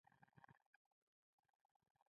ماته مې ورور نتکۍ راوړه